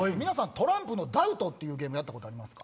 トランプのダウトってやったことありますか？